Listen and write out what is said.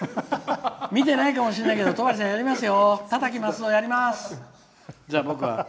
見てないかもしれないけど多滝鱒造、やります！